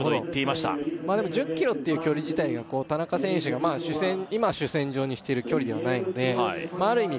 まあでも１０ｋｍっていう距離自体が田中選手が今主戦場にしている距離ではないのである意味